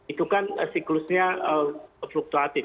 itu kan siklusnya fluktuatif